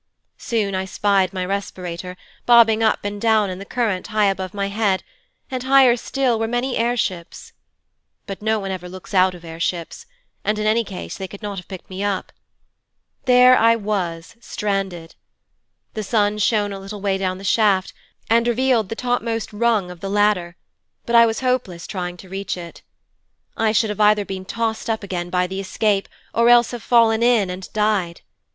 Soon I spied my respirator, bobbing up and down in the current high above my head, and higher still were many air ships. But no one ever looks out of air ships, and in any case they could not have picked me up. There I was, stranded. The sun shone a little way down the shaft, and revealed the topmost rung of the ladder, but it was hopeless trying to reach it. I should either have been tossed up again by the escape, or else have fallen in, and died.